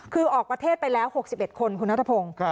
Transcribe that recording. คือออกประเทศไปแล้ว๖๑คนคุณนัทพงศ์